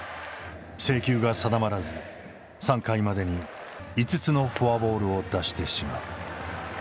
制球が定まらず３回までに５つのフォアボールを出してしまう。